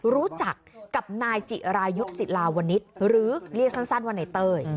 รู้จักกับนายจิรายุทธ์ศิลาวนิษฐ์หรือเรียกสั้นว่าในเต้ย